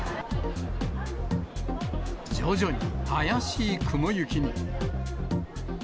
徐々に怪しい雲行きに。